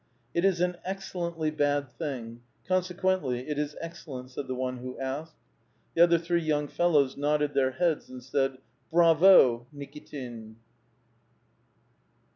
" It is an excellently bad thing ; consequently, it is excel lent," said the one who asked. The other three young fellows nodded their heads, and said, '' Bravo, Nikitin